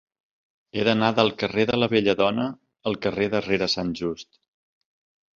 He d'anar del carrer de la Belladona al carrer de Rere Sant Just.